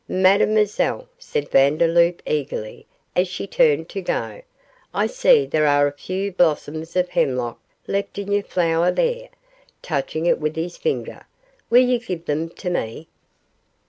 'Mademoiselle,' said Vandeloup, eagerly, as she turned to go, 'I see there are a few blossoms of hemlock left in your flower there,' touching it with his finger; 'will you give them to me?